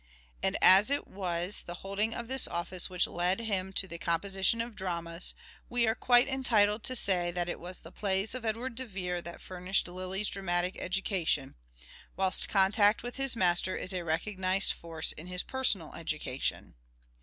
And as it was the holding of this office which led him to the composition of dramas, we are quite entitled to say that it was the plays of Edward de Vere that furnished Lyly's dramatic education; whilst contact with his master is a recognized force in his personal education.